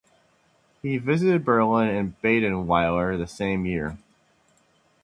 He visited Berlin and Badenweiler the same year.